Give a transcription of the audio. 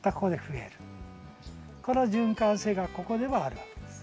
この循環性がここではあるわけです。